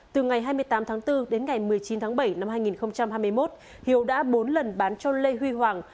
từ ngày hai mươi tám tháng bốn đến ngày một mươi chín tháng bảy năm hai nghìn hai mươi một hiếu đã bốn lần bán cho lê huy hoàng